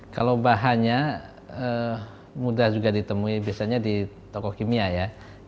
kalau bahannya mudah juga ditemui biasanya di toko kimia ya